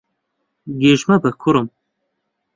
گێژ مەبە، کوڕم.